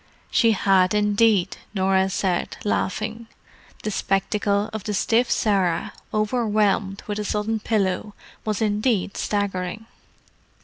"She had, indeed," Norah said, laughing. The spectacle of the stiff Sarah, overwhelmed with a sudden pillow, was indeed staggering.